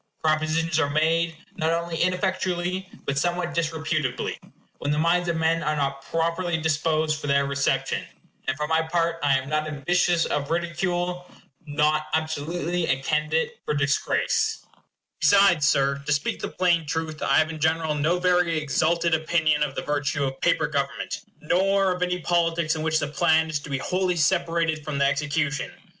Propositions are made, not only ineffectually, but somewhat disreputably, when the minds of men are not properly disposed for their reception; and, for my part, I am not ambitious of ridicule not absolutely a candidate for disgrace Besides, Sir, to speak the plain truth, I have in general no very exalted opinion of the virtue of paper government; nor of any politics in which the plan is to be wholly separated from the execution.